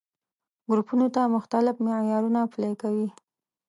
ګروپونو ته مختلف معيارونه پلي کوي.